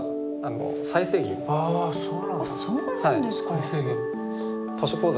あそうなんですか。